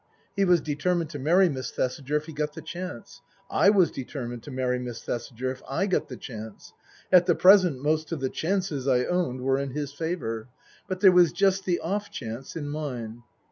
He was determined to marry Miss Thesiger if he got the chance. / was determined to marry Miss Thesiger if / got the chance. At the present most of the chances, I owned, were in his favour. But there was just the off chance in mine.